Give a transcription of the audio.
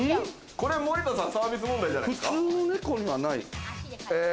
森田さん、サービス問題じゃないですか？